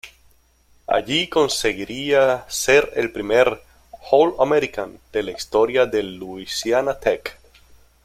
Allí conseguiría ser el primer All-American de la historia de Louisiana Tech.